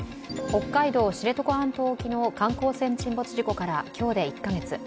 北海道・知床半島沖の観光船沈没事故から今日で１カ月。